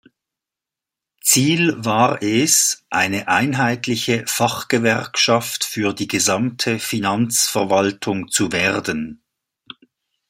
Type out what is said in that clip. Ziel war es, eine einheitliche Fachgewerkschaft für die gesamte Finanzverwaltung zu werden.